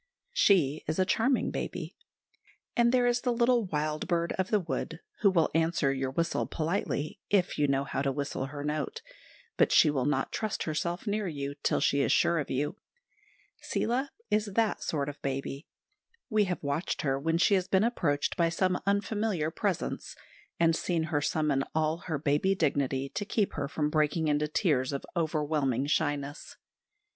She is a charming baby. And there is the little wild bird of the wood, who will answer your whistle politely, if you know how to whistle her note; but she will not trust herself near you till she is sure of you. Seela is that sort of baby. We have watched her when she has been approached by some unfamiliar presence, and seen her summon all her baby dignity to keep her from breaking into tears of overwhelming shyness.